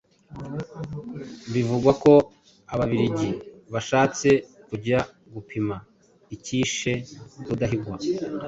Bivugwa ko ababiligi bashatse kujya gupima icyishe Rudahigwa,